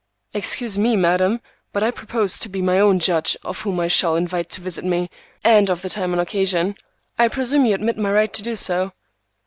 "Excuse me, madam; but I propose to be my own judge of whom I shall invite to visit me, and of the time and occasion. I presume you admit my right to do so."